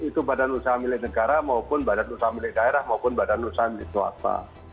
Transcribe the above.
itu badan usaha milik negara maupun badan usaha milik daerah maupun badan usaha milik swasta